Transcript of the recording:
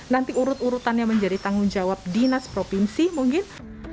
nanti urut urutannya menjadi tanggung jawab dinas provinsi mungkin